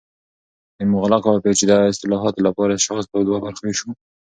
د مغلقو او پیچده اصطالحاتو لپاره اشخاص په دوه برخو ویشو